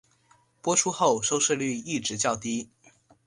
播出后收视率一直较低。